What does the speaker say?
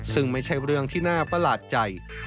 ซึ่งไม่ใช่เรื่องที่น่าประหลาดใจ